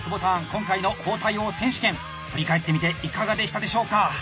今回の包帯王選手権振り返ってみていかがでしたでしょうか？